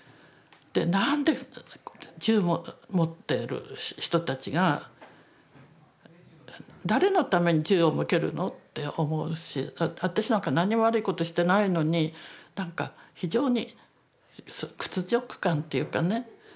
なんで銃持ってる人たちが誰のために銃を向けるのって思うし私なんか何にも悪いことしてないのになんか非常に屈辱感っていうかね